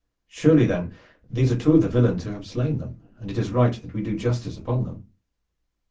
Surely then, these are two of the villains who have slain him, and it is right that we do justice upon them."